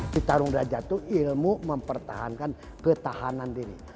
di tarung raja itu ilmu mempertahankan ketahanan diri